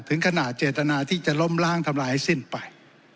ถึงขนาดเจตนาที่จะล้มล้างทำลายให้สิ้นไป